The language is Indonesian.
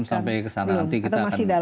belum sampai ke sana nanti kita akan bicarakan